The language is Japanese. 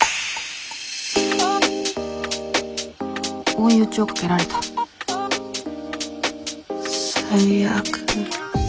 追い打ちをかけられた最悪。